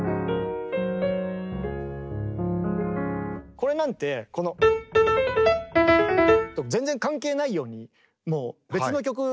これなんてこの。と全然関係ないようにもう別の曲に感じますよね。